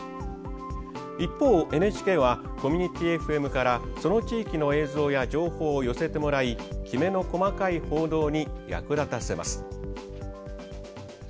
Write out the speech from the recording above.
一方、ＮＨＫはコミュニティＦＭからその地域の映像や情報を寄せてもらいきめの細かい報道に役立たせます。